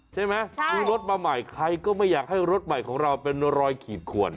ใช่ไหมซื้อรถมาใหม่ใครก็ไม่อยากให้รถใหม่ของเราเป็นรอยขีดขวน